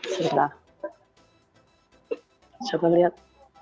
sebentar coba lihat